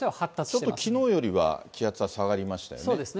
ちょっときのうよりは、気圧は下がりましたよね。